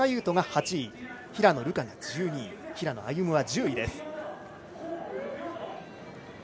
斗が８位平野流佳が１２位平野歩夢は１０位です。